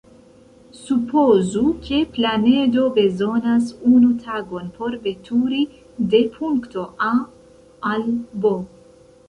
Supozu, ke planedo bezonas unu tagon por veturi de punkto "A" al "B".